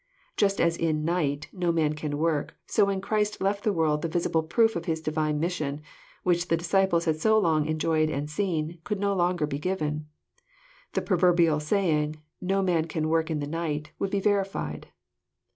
Just as in night no man can work," so when Christ left the world the visible proof of His Divine mission, which the disciples had so long enjoyed and seen, could no longer be given. The proverbial saying, " No man can work in the night," would be verified.